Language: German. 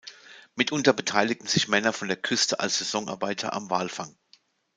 Mitunter beteiligten sich Männer von der Küste als Saisonarbeiter am Walfang.